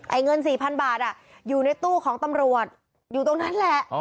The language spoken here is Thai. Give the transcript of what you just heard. เงิน๔๐๐๐บาทอยู่ในตู้ของตำรวจอยู่ตรงนั้นแหละ